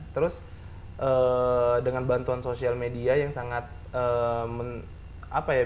terus dengan bantuan sosial media yang sangat apa ya